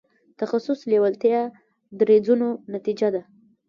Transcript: تخصص لېوالتیا دریځونو نتیجه ده.